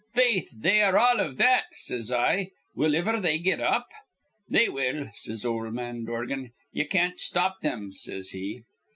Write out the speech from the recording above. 'Faith, they are all iv that,' says I, 'Will iver they get up?' 'They will,' says ol' man Dorgan. 'Ye can't stop thim,' says he.